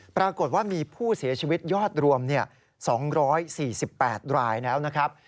ปรากฏว่ามีผู้เสียชีวิตยอดรวม๒๔๘รายแล้วนะครับ